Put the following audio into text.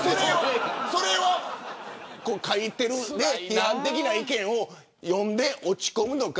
それは批判的な意見を読んで落ち込むのか。